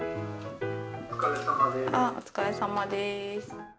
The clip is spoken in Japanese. お疲れさまです。